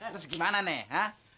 terus gimana nek